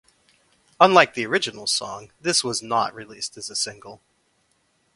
Unlike the original song, this was not released as a single.